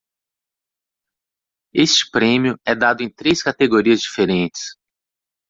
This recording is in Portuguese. Este prêmio é dado em três categorias diferentes.